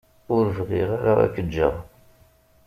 Ur bɣiɣ ara ad k-ǧǧeɣ.